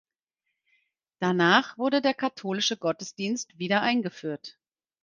Danach wurde der katholische Gottesdienst wieder eingeführt.